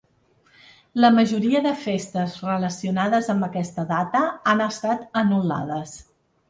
La majoria de festes relacionades amb aquesta data han estat anul·lades.